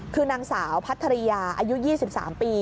คือนางสาวพัทยาอายุ๒๓ปี